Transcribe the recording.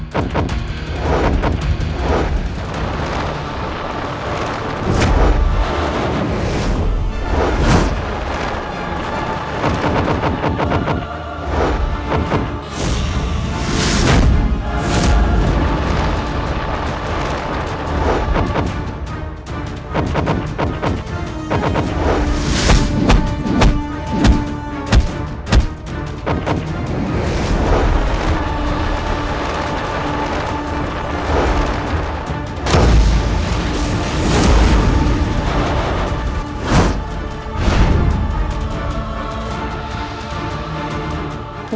kau yang sudah membuat kekasihku mati